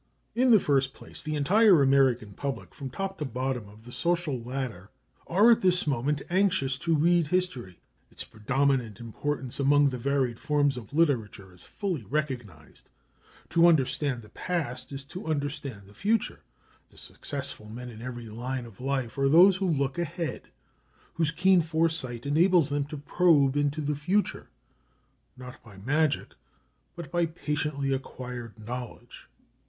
In the first place, the entire American public, from top to bottom of the social ladder, are at this moment anxious to read history. Its predominant importance among the varied forms of literature is fully recognized. To understand the past is to understand the future. The successful men in every line of life are those who look ahead, whose keen foresight enables them to probe into the future, not by magic, but by patiently acquired knowledge.